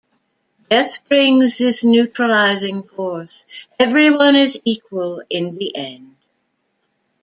Death brings this neutralizing force; everyone is equal in the end.